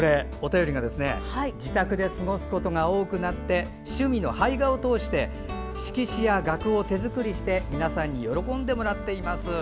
自宅で過ごすことが多くなって趣味の俳画を通して色紙や額を手作りして皆さんに喜んでもらっています。